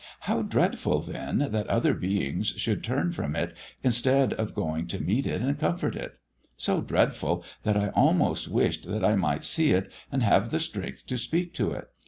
How dreadful then that other beings should turn from it, instead of going to meet it and comfort it so dreadful that I almost wished that I might see it, and have the strength to speak to it!